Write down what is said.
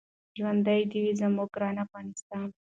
ژوندی دې وي زموږ ګران افغانستان.